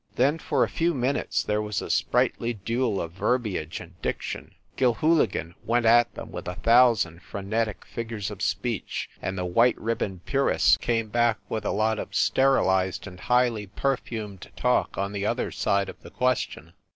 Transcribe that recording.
Then for a few minutes, there was a sprightly duel of verbiage and diction. Gilhooligan went at them with a thousand franetic figures of speech, and the white ribbon purists came back with a lot 196 FIND THE WOMAN of sterilized and highly perfumed talk on the other side of the question.